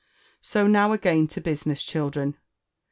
So now again to business, children.